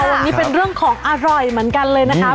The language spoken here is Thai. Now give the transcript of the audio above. วันนี้เป็นเรื่องของอร่อยเหมือนกันเลยนะคะ